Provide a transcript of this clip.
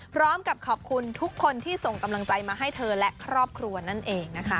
พร้อมกับขอบคุณทุกคนที่ส่งกำลังใจมาให้เธอและครอบครัวนั่นเองนะคะ